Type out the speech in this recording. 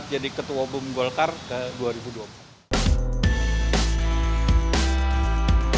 politik itu kan harus standar tangan